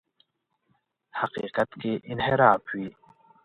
حقیقت کې انحراف وي.